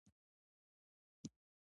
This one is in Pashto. هر کال مسلمانان همدا سنت ژوندی کوي